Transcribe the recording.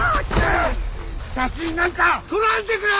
写真なんか撮らんでくれ！！